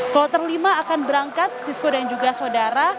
kloter lima akan berangkat siswa dan juga saudara